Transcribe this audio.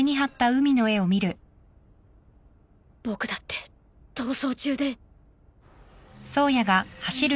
僕だって逃走中で。